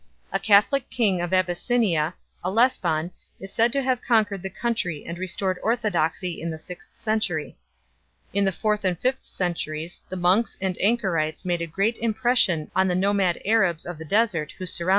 A Catholic king of Abyssinia, Elesbaan 4 , is believed to have conquered the country and restored orthodoxy in the sixth century. In the fourth and fifth centuries the monks and anchorites made a great impression on the nomad Arabs of the desert who surrounded them 6